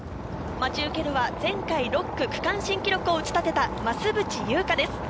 待ち受けるは前回、６区区間新記録を打ち立てた増渕祐香です。